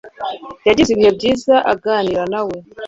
Yagize ibihe byiza aganira na we.